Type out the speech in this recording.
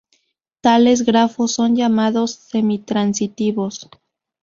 Tales grafos son llamados semi-transitivos.